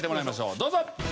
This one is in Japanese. どうぞ。